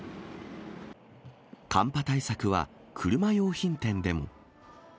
寒波対策は、車用品店でも。